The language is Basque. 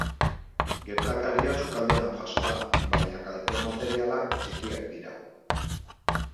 Gertakaria sukaldean jazo da, baina kalte materialak txikiak dira.